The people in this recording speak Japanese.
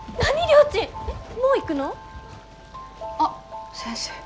あっ先生。